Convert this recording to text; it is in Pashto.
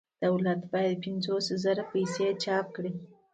دولت باید پنځه سوه زره پیسې چاپ کړي